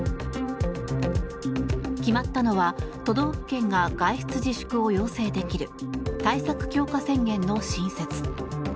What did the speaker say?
決まったのは都道府県が外出自粛を要請できる対策強化宣言の新設。